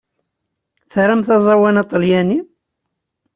Tramt aẓawan aṭalyani?